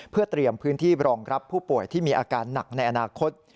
เพื่อเตรียมพื้นที่รองรับผู้ป่วยที่มีอาการหนักในอนาคต